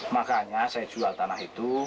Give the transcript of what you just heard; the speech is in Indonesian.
makanya saya jual tanah itu